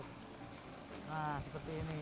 nah seperti ini